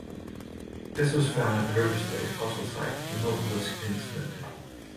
This was found at the Riversleigh fossil site in northwest Queensland.